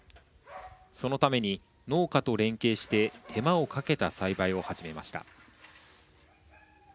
そのために農家と連携して手間をかけた栽培を始めました。